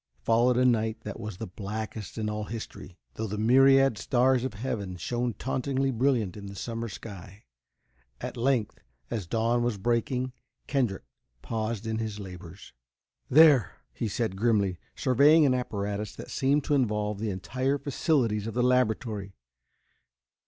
Followed a night that was the blackest in all history, though the myriad stars of heaven shone tauntingly brilliant in the summer sky. At length, as dawn was breaking. Kendrick paused in his labors. "There!" he said, grimly, surveying an apparatus that seemed to involve the entire facilities of the laboratory.